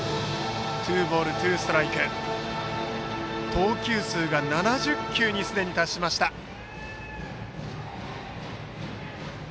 投球数７０球にすでに達した十川。